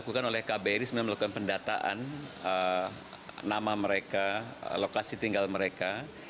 kbrd melakukan pendataan nama mereka lokasi tinggal mereka